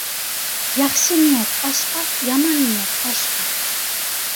ياخشى نىيەت ئاشقا، يامان نىيەت باشقا.